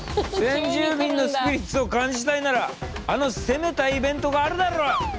先住民のスピリッツを感じたいならあの攻めたイベントがあるだろ！